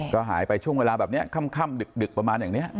ก็หายไปช่วงเวลาแบบนี้ค่ำดึกประมาณอย่างนี้